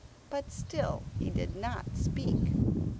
But still he did not speak.